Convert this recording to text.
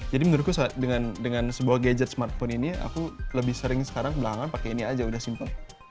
jadi menurutku dengan sebuah gadget smartphone ini aku lebih sering sekarang belakangan pakai ini aja udah simpel